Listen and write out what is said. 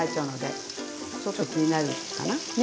ちょっと気になるかな。ね？